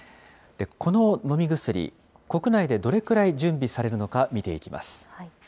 この飲み薬、国内でどれぐらい準備されるのか見ていきます。